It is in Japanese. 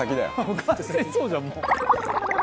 「完全にそうじゃんもう」